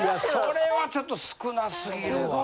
それはちょっと少なすぎるわ。